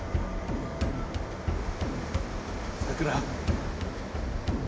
さくら。